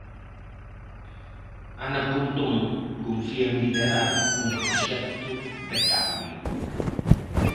Ana Pontón confía en liderar un proxecto de cambio.